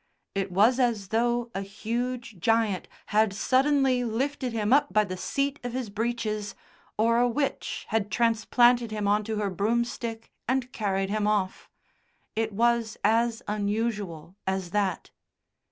It was as though a huge giant had suddenly lifted him up by the seat of his breeches, or a witch had transplanted him on to her broomstick and carried him off. It was as unusual as that.